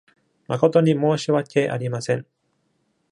まことに申し訳けありません。